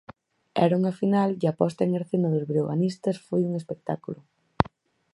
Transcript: Era unha final e a posta en escena dos breoganistas foi un espectáculo.